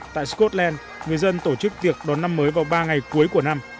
tại scotland người dân tổ chức tiệc đón năm mới vào ba ngày cuối của năm